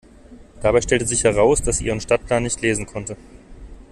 Dabei stellte sich heraus, dass sie ihren Stadtplan nicht lesen konnte.